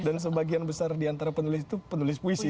dan sebagian besar diantara penulis itu penulis puisi